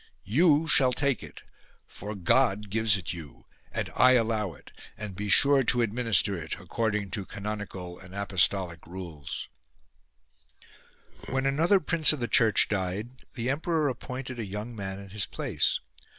You shall take it, for God gives it you, and I allow it ; and be sure to administer it according to canoni cal and apostolic rules," 6, When another prince of the Church died, the emperor appointed a young man in his place.